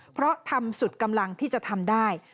เพราะทำสุดกำลังที่จะทำได้